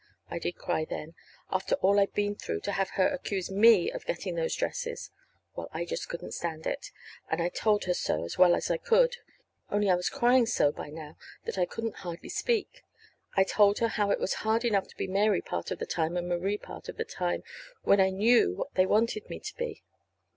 I did cry, then. After all I'd been through, to have her accuse me of getting those dresses! Well, I just couldn't stand it. And I told her so as well as I could, only I was crying so by now that I could hardly speak. I told her how it was hard enough to be Mary part of the time, and Marie part of the time, when I knew what they wanted me to be.